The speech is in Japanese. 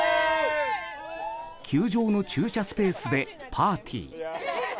球場の駐車スペースでパーティー。